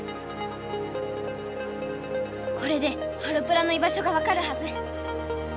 これでハロプラの居場所がわかるはず！